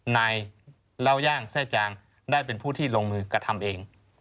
นายเล่าย่างแทร่จางได้เป็นผู้ที่ลงมือกระทำเอง